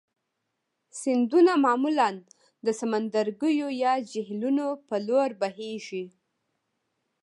سیندونه معمولا د سمندرګیو یا جهیلونو په لوري بهیږي.